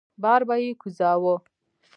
بار به يې کوزاوه.